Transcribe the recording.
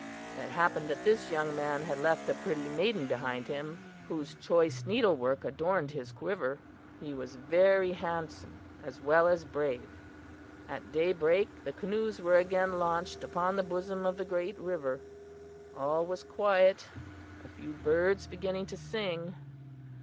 "It happened that this young man had left a pretty maiden behind him, whose choice needlework adorned his quiver. He was very handsome as well as brave. "At daybreak the canoes were again launched upon the bosom of the great river. All was quiet a few birds beginning to sing.